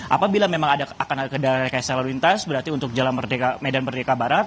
apabila memang akan ada rekayasa lalu lintas berarti untuk jalan medan merdeka barat